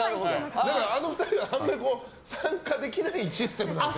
だからあの２人はあんまり参加できないシステムなんですよ。